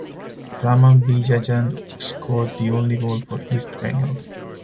Raman Vijayan scored the only goal for East Bengal.